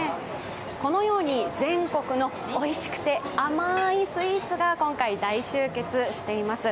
このように全国のおいしくて甘いスイーツが今回、大集結しています。